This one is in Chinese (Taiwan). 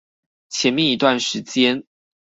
前面一段時間